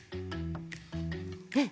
うん。